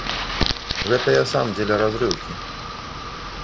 Гэта я сам дзеля разрыўкі.